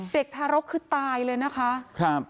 ทารกคือตายเลยนะคะ